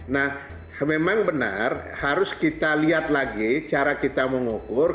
nah memang benar harus kita lihat lagi cara kita mengukur